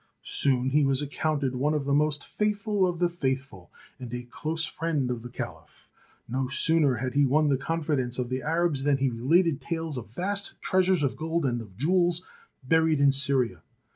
Soon he was accounted one of the most faithful of the Faithful, and a close friend of the Caliph. No sooner had he won the confidence of the Arabs than he related tales of vast treasures of gold and of jewels buried in Syria.